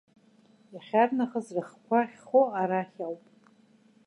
Иахьарнахыс рыхқәа ахьхоу арахь ауп.